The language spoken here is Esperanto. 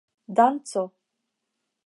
danco